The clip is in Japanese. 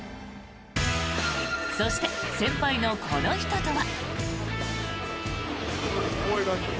そして、先輩のこの人とは。